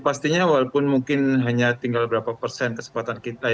pastinya walaupun mungkin hanya tinggal berapa persen kesempatan kita